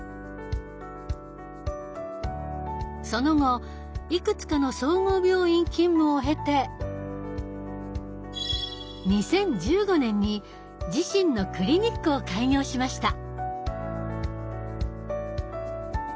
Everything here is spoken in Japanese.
その後いくつかの総合病院勤務を経て２０１５年に自身のクリニックを開業しました。